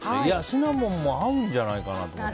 シナモンも合うんじゃないかなと。